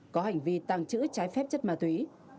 có hành vi tàng trữ trái phép chất ma túy